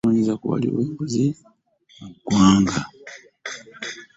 Kaliisoliiso wa gavumenti atandise okunoonyereza ku b'enguzi mu ggwanga.